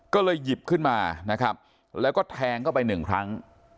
ก็เลยหยิบขึ้นมานะครับแล้วก็แทงเข้าไปหนึ่งครั้ง